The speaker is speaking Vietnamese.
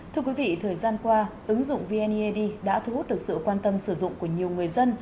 thưa quý vị thời gian qua ứng dụng vneid đã thu hút được sự quan tâm sử dụng của nhiều người dân